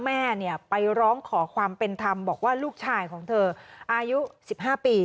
แม่ไปร้องขอความเป็นธรรมบอกว่าลูกชายของเธออายุ๑๕ปี